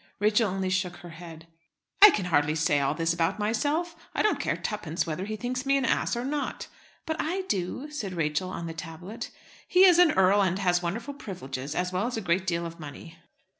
Rachel only shook her head. "I can hardly say all this about myself. I don't care twopence whether he thinks me an ass or not." "But I do," said Rachel on the tablet. "He is an earl, and has wonderful privileges, as well as a great deal of money."